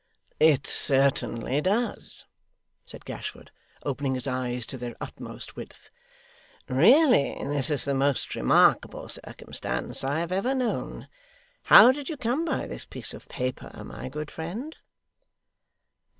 'It certainly does,' said Gashford, opening his eyes to their utmost width; 'really this is the most remarkable circumstance I have ever known. How did you come by this piece of paper, my good friend?